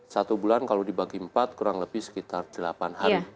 satu bulan kalau dibagi empat kurang lebih sekitar delapan hari